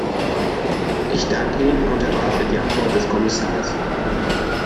Ich danke Ihnen und erwarte die Antwort des Kommissars.